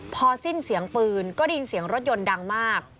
พอสิ้นเสียงปืนก็ได้ยินเสียงรถยนต์ดังมาก